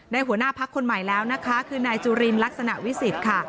หัวหน้าพักคนใหม่แล้วนะคะคือนายจุลินลักษณะวิสิทธิ์ค่ะ